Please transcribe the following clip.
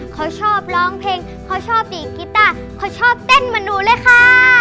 เขาชอบร้องเพลงเขาชอบดีดกีต้าเขาชอบเต้นเหมือนหนูเลยค่ะ